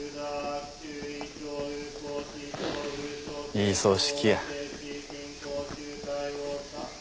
いい葬式や。